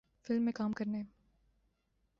film میں کام کرنے